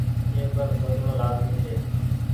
اي پر سوچڻو لآزمي ڇي۔